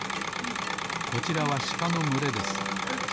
こちらはしかのむれです。